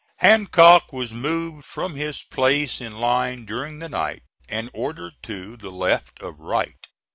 Hancock was moved from his place in line during the night and ordered to the left of Wright.